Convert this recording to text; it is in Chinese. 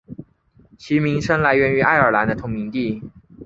其名称来源于爱尔兰的同名地。